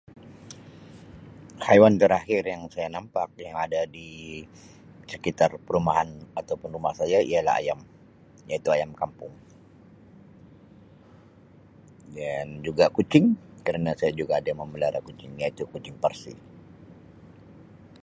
Haiwan terakhir yang saya nampak yang ada di sekitar perumahan saya ialah ayam, ayam kampung dan kucing. Kerna saya juga ada memelihara kucing iaitu kucing Parsi.